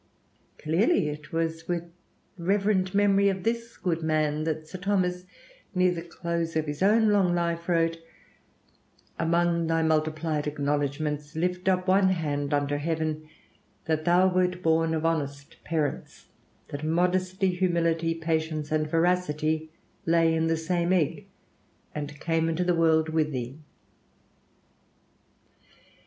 Clearly, it was with reverent memory of this good man that Sir Thomas, near the close of his own long life, wrote: "Among thy multiplied acknowledgments, lift up one hand unto heaven that thou wert born of honest parents; that modesty, humility, patience, and veracity lay in the same egg and came into the world with thee."